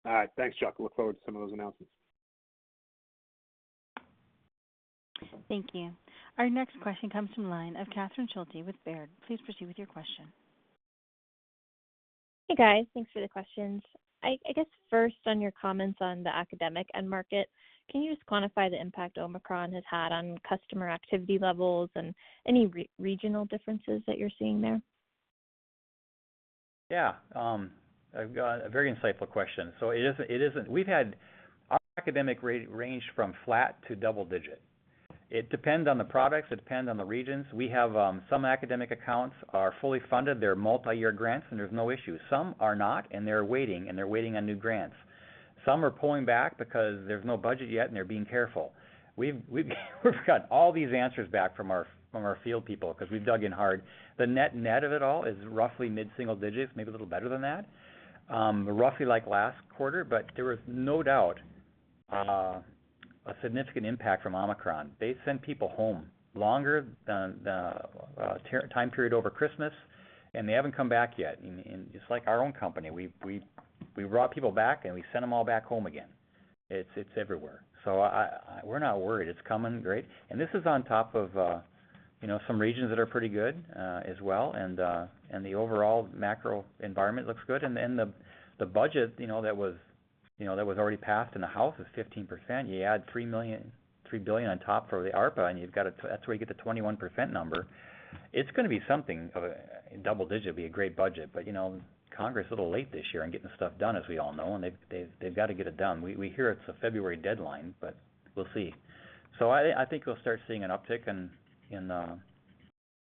All right. Thanks, Chuck. Look forward to some of those announcements. Thank you. Our next question comes from line of Catherine Schulte with Baird. Please proceed with your question. Hey, guys. Thanks for the questions. I guess first on your comments on the academic end market, can you just quantify the impact Omicron has had on customer activity levels and any regional differences that you're seeing there? Yeah. I've got a very insightful question. It isn't. We've had our academic range from flat to double digit. It depends on the products. It depends on the regions. We have some academic accounts are fully funded. They're multi-year grants, and there's no issue. Some are not, and they're waiting on new grants. Some are pulling back because there's no budget yet, and they're being careful. We've got all these answers back from our field people 'cause we've dug in hard. The net-net of it all is roughly mid-single digits, maybe a little better than that, roughly like last quarter, but there was no doubt a significant impact from Omicron. They sent people home longer than the time period over Christmas, and they haven't come back yet. It's like our own company. We brought people back, and we sent them all back home again. It's everywhere. We're not worried. It's coming great. This is on top of, you know, some regions that are pretty good, as well, and the overall macro environment looks good. The budget, you know, that was already passed in the House is 15%. You add $3 billion on top for the ARPA-H, and that's where you get the 21% number. It's gonna be something of a double digit. Double digit would be a great budget. You know, Congress a little late this year in getting stuff done, as we all know, and they've got to get it done. We hear it's a February deadline, but we'll see. I think we'll start seeing an uptick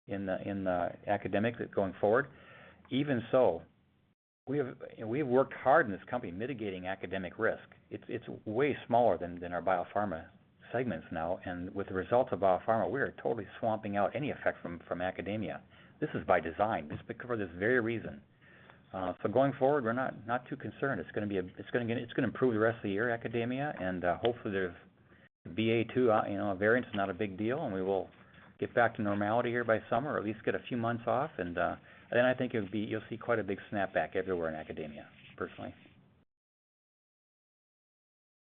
in the academic going forward. Even so, we have, you know, worked hard in this company mitigating academic risk. It's way smaller than our biopharma segments now. With the results of biopharma, we are totally swamping out any effect from academia. This is by design. This is for this very reason. Going forward, we're not too concerned. It's gonna improve the rest of the year, academia, and hopefully their BA.2, you know, variant is not a big deal, and we will get back to normality here by summer, or at least get a few months off. I think you'll see quite a big snapback everywhere in academia, personally.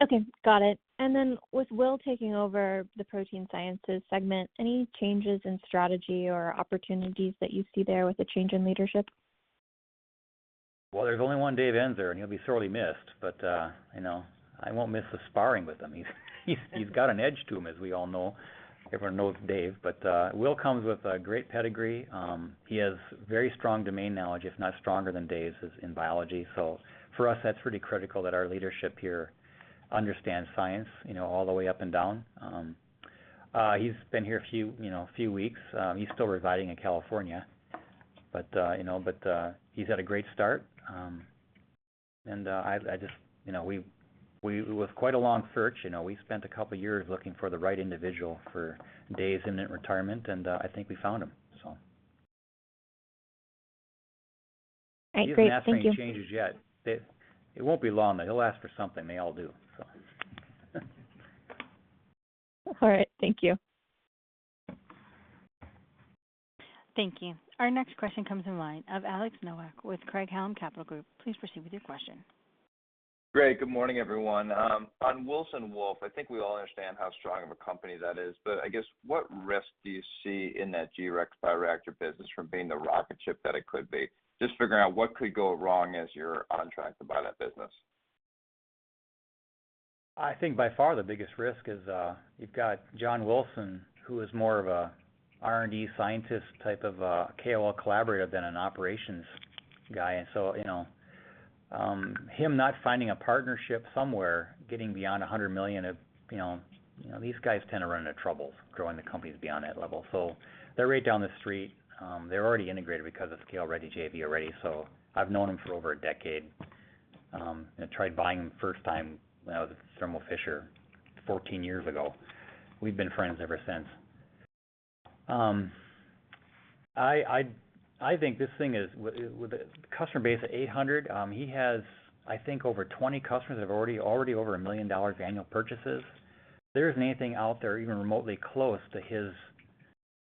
Okay. Got it. With Will taking over the Protein Sciences Segment, any changes in strategy or opportunities that you see there with the change in leadership? Well, there's only one Dave Eansor, and he'll be sorely missed. You know, I won't miss the sparring with him. He's got an edge to him, as we all know. Everyone knows Dave. Will Geist comes with a great pedigree. He has very strong domain knowledge, if not stronger than Dave's, in biology. For us, that's pretty critical that our leadership here understands science, you know, all the way up and down. He's been here a few weeks. He's still residing in California. He's had a great start. You know, we had a long search. We spent a couple years looking for the right individual for Dave's retirement, and I think we found him. All right. Great. Thank you. He hasn't asked for any changes yet. It won't be long, though. He'll ask for something. They all do, so. All right. Thank you. Thank you. Our next question comes from the line of Alex Nowak with Craig-Hallum Capital Group. Please proceed with your question. Great. Good morning, everyone. On Wilson Wolf, I think we all understand how strong of a company that is, but I guess what risk do you see in that G-Rex bioreactor business from being the rocket ship that it could be? Just figuring out what could go wrong as you're on track to buy that business. I think by far the biggest risk is, you've got John Wilson, who is more of a R&D scientist type of a KOL collaborator than an operations guy. You know, him not finding a partnership somewhere, getting beyond a $100 million. You know, these guys tend to run into trouble growing the companies beyond that level. They're right down the street. They're already integrated because of ScaleReady JV already. I've known him for over a decade, and tried buying him first time when I was at Thermo Fisher 14 years ago. We've been friends ever since. I think this thing is with a customer base of 800, he has, I think, over 20 customers that have already over $1 million annual purchases. There isn't anything out there even remotely close to his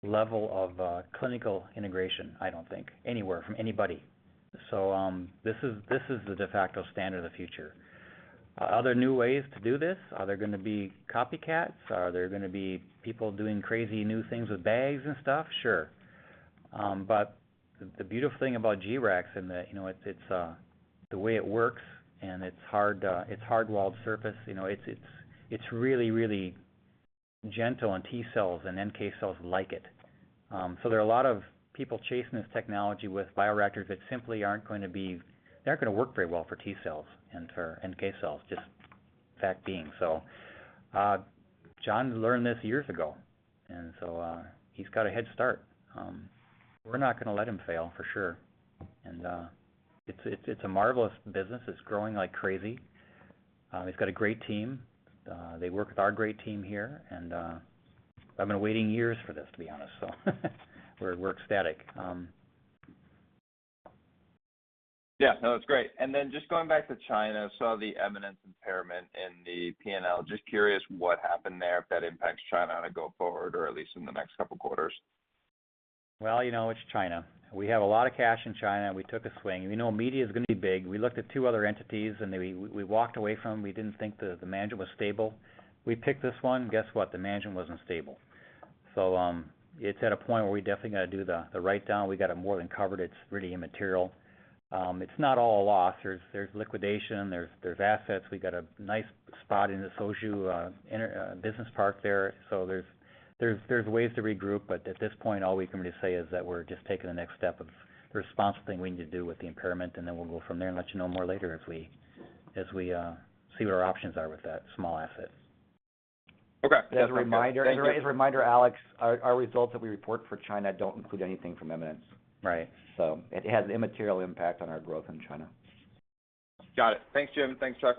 level of clinical integration, I don't think, anywhere from anybody. This is the de facto standard of the future. Are there new ways to do this? Are there gonna be copycats? Are there gonna be people doing crazy new things with bags and stuff? Sure. The beautiful thing about G-Rex in that, you know, it's the way it works, and it's hard walled surface, you know. It's really gentle on T cells, and NK cells like it. There are a lot of people chasing this technology with bioreactors that simply aren't going to work very well for T cells and for NK cells, just fact being. John learned this years ago, and he's got a head start. We're not gonna let him fail, for sure. It's a marvelous business. It's growing like crazy. He's got a great team. They work with our great team here, and I've been waiting years for this, to be honest. We're ecstatic. Yeah. No, it's great. Just going back to China, saw the Eminence impairment in the P&L. Just curious what happened there if that impacts China on a go forward or at least in the next couple quarters. Well, you know, it's China. We have a lot of cash in China. We took a swing, and we know media is gonna be big. We looked at two other entities, and we walked away from. We didn't think the management was stable. We picked this one. Guess what? The management wasn't stable. It's at a point where we definitely gotta do the write down. We got it more than covered. It's really immaterial. It's not all a loss. There's liquidation. There's assets. We got a nice spot in the Suzhou Industrial Park there. There's ways to regroup, but at this point, all we can really say is that we're just taking the next step of the responsible thing we need to do with the impairment, and then we'll go from there and let you know more later if we, as we, see what our options are with that small asset. Okay. As a reminder. Thank you. As a reminder, Alex, our results that we report for China don't include anything from Eminence. Right. It has an immaterial impact on our growth in China. Got it. Thanks, Jim. Thanks, Chuck.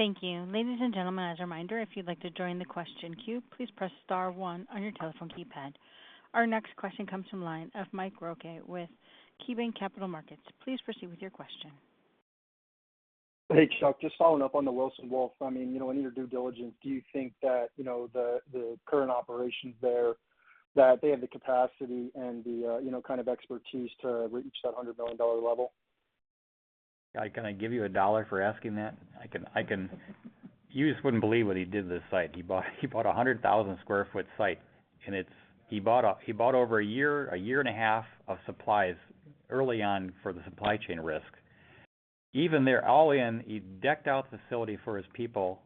Yep. Thank you. Ladies and gentlemen, as a reminder, if you'd like to join the question queue, please press star one on your telephone keypad. Our next question comes from the line of Mike Ryskin with KeyBanc Capital Markets. Please proceed with your question. Hey, Chuck. Just following up on the Wilson Wolf. I mean, you know, in your due diligence, do you think that, you know, the current operations there, that they have the capacity and the, you know, kind of expertise to reach that $100 billion level? Can I give you $1 for asking that? I can. You just wouldn't believe what he did to this site. He bought a 100,000 sq ft site, and it's. He bought over a year and a half of supplies early on for the supply chain risk. Even there all in, he decked out the facility for his people.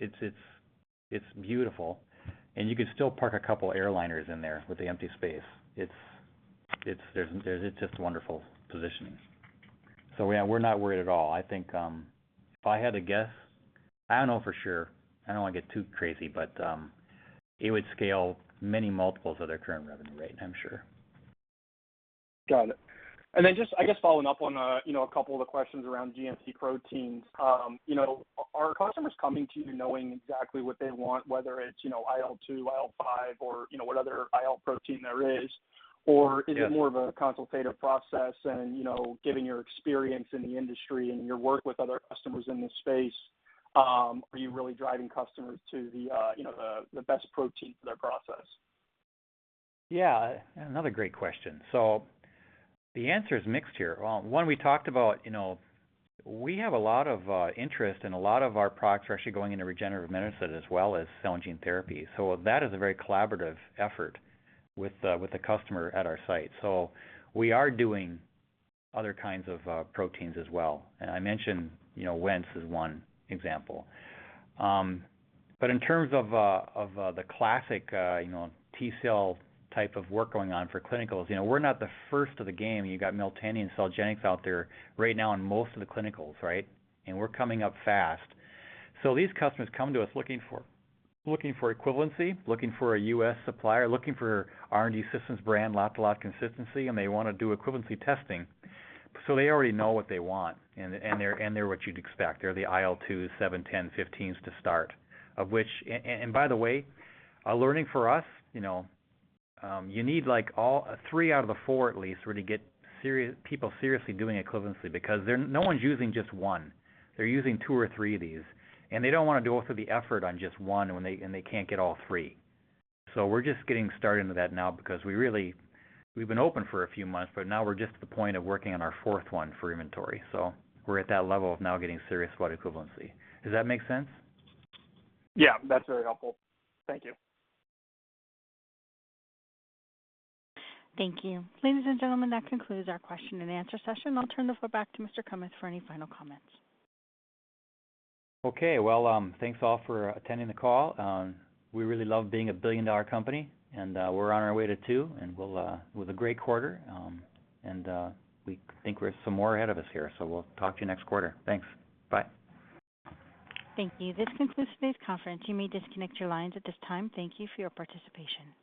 It's beautiful, and you could still park a couple airliners in there with the empty space. It's just wonderful positioning. Yeah, we're not worried at all. I think, if I had to guess, I don't know for sure, I don't wanna get too crazy, but, it would scale many multiples of their current revenue rate, I'm sure. Got it. Just, I guess, following up on, you know, a couple of the questions around GMP proteins. You know, are customers coming to you knowing exactly what they want, whether it's, you know, IL-2, IL-15 or, you know, what other IL protein there is? Yes. Is it more of a consultative process and, you know, given your experience in the industry and your work with other customers in this space, are you really driving customers to the, you know, the best protein for their process? Yeah. Another great question. The answer is mixed here. One, we talked about, you know, we have a lot of interest, and a lot of our products are actually going into regenerative medicine as well as cell and gene therapy. That is a very collaborative effort with the customer at our site. We are doing other kinds of proteins as well. I mentioned, you know, WENT is one example. In terms of the classic, you know, T-cell type of work going on for clinicals, you know, we're not the first of the game. You got Miltenyi and CellGenix out there right now in most of the clinicals, right? We're coming up fast. These customers come to us looking for equivalency, a U.S. supplier, R&D Systems brand, lot-to-lot consistency, and they wanna do equivalency testing. They already know what they want, and they're what you'd expect. They're the IL-2s, 7, 10s, 15s to start, of which and by the way, a learning for us, you know, you need like all three out of the four at least to really get serious. People seriously doing equivalency because no one's using just one. They're using two or three of these, and they don't wanna do also the effort on just one when they can't get all three. We're just getting started into that now because we really We've been open for a few months, but now we're just at the point of working on our fourth one for inventory. We're at that level of now getting serious about equivalency. Does that make sense? Yeah, that's very helpful. Thank you. Thank you. Ladies and gentlemen, that concludes our question and answer session. I'll turn the floor back to Mr. Kummeth for any final comments. Okay. Well, thanks all for attending the call. We really love being a billion-dollar company, and we're on our way to two, and we'll with a great quarter. We think we have some more ahead of us here, so we'll talk to you next quarter. Thanks. Bye. Thank you. This concludes today's conference. You may disconnect your lines at this time. Thank you for your participation.